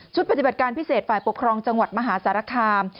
ปฏิบัติการพิเศษฝ่ายปกครองจังหวัดมหาสารคาม